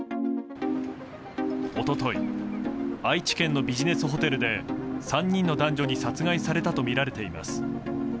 一昨日愛知県のビジネスホテルで３人の男女に殺害されたとみられています。